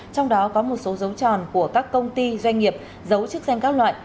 trong đó có một số dấu tròn của các công ty doanh nghiệp dấu chức xem các loại